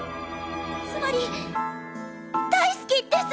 つまり大好きです！